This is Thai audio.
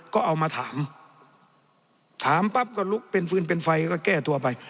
ก็เอามาถามถามปั๊บก็ลุกเป็นฟื้นเป็นไฟก็แก้ตัวไป